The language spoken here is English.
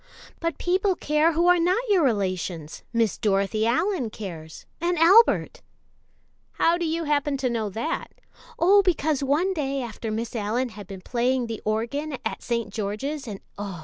"But people care who are not your relations Miss Dorothy Allyn cares, and Albert." "How do you happen to know that." "Oh, because one day after Miss Allyn had been playing the organ in St. George's and oh!